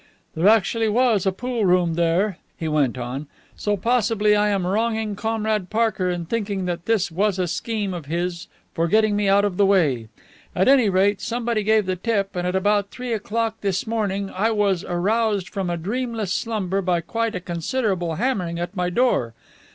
"There actually was a pool room there," he went on, "so possibly I am wronging Comrade Parker in thinking that this was a scheme of his for getting me out of the way. At any rate, somebody gave the tip, and at about three o'clock this morning I was aroused from a dreamless slumber by quite a considerable hammering at my door.